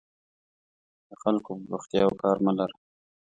د خلکو په بوختیاوو کار مه لره.